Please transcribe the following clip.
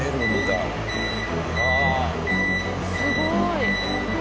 すごい。